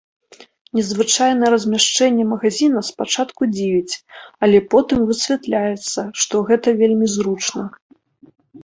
Незвычайнае размяшчэнне магазіна спачатку дзівіць, але потым высвятляецца, што гэта вельмі зручна.